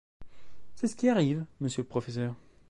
C’est ce qui arrive, monsieur le professeur.